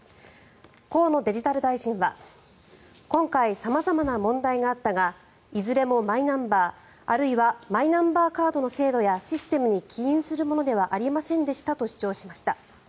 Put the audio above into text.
河野デジタル大臣は今回、様々な問題があったがいずれもマイナンバーあるいはマイナンバーカードの制度やシステムに起因するものではありませんでしたと主張しました。